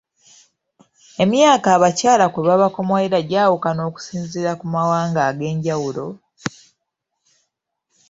Emyaka abakyala kwe babakomolera gyawukana okusinziira ku mawanga ag'enjawulo